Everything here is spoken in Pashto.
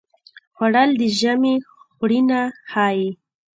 خوړل د ژمي خوړینه ښيي